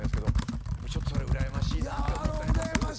やっぱちょっとうらやましいなって思ったりもするんですよ。